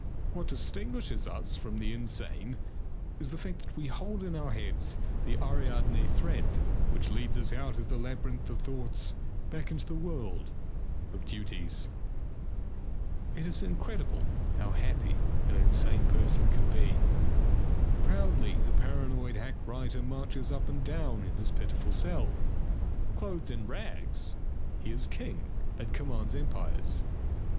What distinguishes us from the insane is the fact that we hold in our hands the Ariadne thread which leads us out of the labyrinth of thoughts back into the world of duties. It is incredible how happy an insane person can be. Proudly the paranoid hack writer marches up and down in his pitiful cell. Clothed in rags, he is king and commands empires.